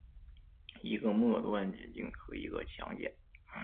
一个末端炔烃和一个强碱。